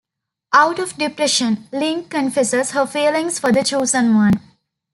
Out of depression, Ling confesses her feelings for The Chosen One.